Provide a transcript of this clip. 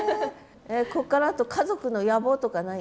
こっからあと家族の野望とかないんですか？